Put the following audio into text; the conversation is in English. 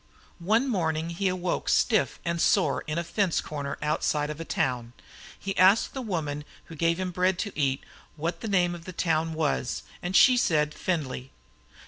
One morning he awoke stiff and sore in a fence corner outside of a town. He asked a woman who gave him bread to eat, what the name of the town was, and she said Findlay.